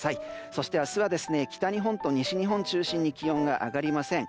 そして明日は北日本と西日本中心に気温が上がりません。